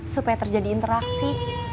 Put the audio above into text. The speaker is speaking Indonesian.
supaya terjadi interaksi